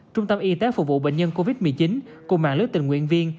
trung tâm y tế phục vụ bệnh nhân covid một mươi chín cùng mạng lưới tình nguyện viên